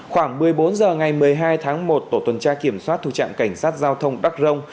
khoảng một mươi bốn h ngày một mươi hai tháng một tổ tuần tra kiểm soát thuộc trạm cảnh sát giao thông đắc rông